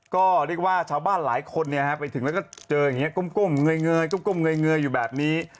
ก็เรียกว่าชาวบ้านหลายคนไปถึงแล้วก็เจออย่างนี้ก้มเงยก้มเงยอยู่แบบนี้